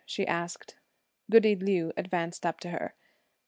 she asked. Goody Liu advanced up to her.